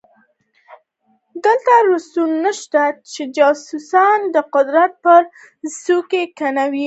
دلته روسان نشته چې جاسوس د قدرت پر څوکۍ کېنوي.